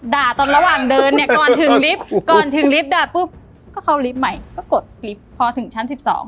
ด่าตอนระหว่างเดินเนี่ยก่อนถึงลิฟท์พอถึงชั้น๑๒